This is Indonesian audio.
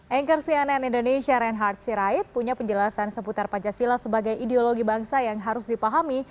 anchor cnn indonesia reinhard sirait punya penjelasan seputar pancasila sebagai ideologi bangsa yang harus dipahami